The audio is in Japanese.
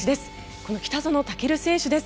この北園丈琉選手です。